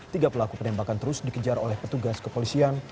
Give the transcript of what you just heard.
tiga pelaku penembakan terus dikejar oleh petugas kepolisian